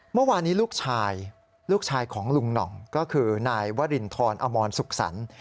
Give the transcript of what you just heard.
เมื่อวานนี้ลูกชายลูกชายของลุงหน่องก็คือนายวรินทรอมรสุขสรรค์